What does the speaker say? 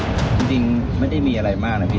จริงไม่ได้มีอะไรมากนะพี่